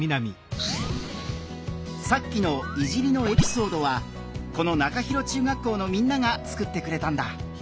さっきの「いじり」のエピソードはこの中広中学校のみんなが作ってくれたんだ。